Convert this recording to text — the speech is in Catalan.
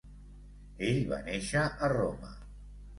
Ell va néixer a Roma.